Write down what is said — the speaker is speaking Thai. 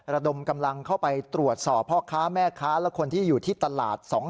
ระดมกำลังเข้าไปตรวจสอบพ่อค้าแม่ค้าและคนที่อยู่ที่ตลาด